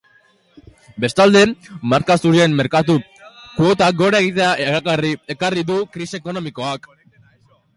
Bestalde, marka zurien merkatu-kuotak gora egitea ekarri du krisi ekonomikoak.